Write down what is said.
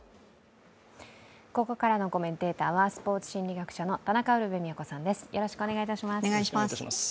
ここからのコメンテーターはスポーツ心理学者の田中ウルヴェ京さんです、よろしくお願いします。